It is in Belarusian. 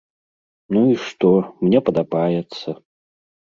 Ну і што, мне падабаецца!